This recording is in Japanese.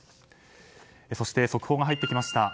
そして、速報が入ってきました。